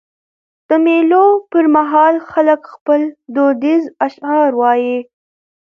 د مېلو پر مهال خلک خپل دودیز اشعار وايي.